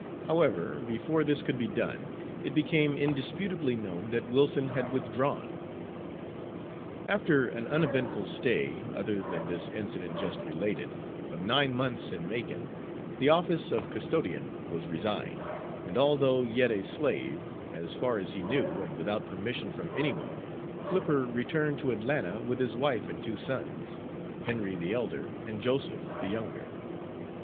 However, before this could be done, it became indisputably known that Wilson had withdrawn. After an uneventful stay other than this incident just related of nine months in Macon, the office of custodian was resigned, and although yet a slave, as far as he knew, and without permission from any one, Flipper returned to Atlanta with his wife and two sons, Henry, the elder, and Joseph, the younger.